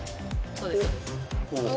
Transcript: そうです。